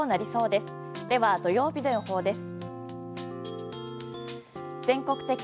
では、土曜日の予報です。